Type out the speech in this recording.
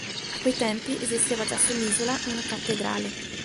A quei tempi esisteva già sull'isola una cattedrale.